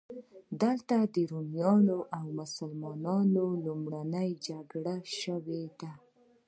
دلته د رومیانو او مسلمانانو لومړۍ جګړه شوې ده.